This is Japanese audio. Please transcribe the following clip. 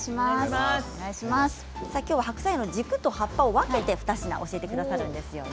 きょうは白菜の軸と葉っぱを分けて２品教えてくださるんですよね。